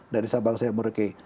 dari sabang saya murki